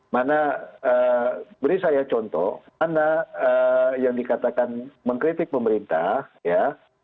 mana beri saya contoh mana yang dikatakan mengkritik pemerintah ya